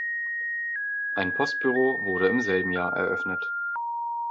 Ein Postbüro wurde im selben Jahr eröffnet.